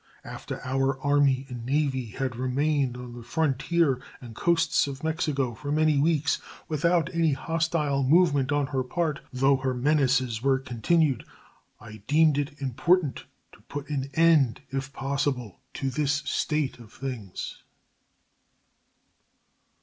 After our Army and Navy had remained on the frontier and coasts of Mexico for many weeks without any hostile movement on her part, though her menaces were continued, I deemed it important to put an end, if possible, to this state of things.